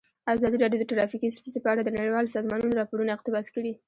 ازادي راډیو د ټرافیکي ستونزې په اړه د نړیوالو سازمانونو راپورونه اقتباس کړي.